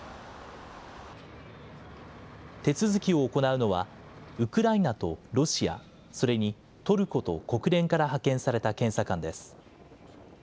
手続きを行うのは、ウクライナとロシア、それにトルコと国連から派遣された検査官です。